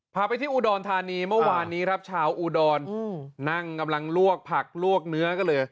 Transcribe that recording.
พาไปที่อุดรธานีเมื่อวานนี้ครับชาวอุดรนั่งกำลังลวกผักลวกเนื้อกันเลย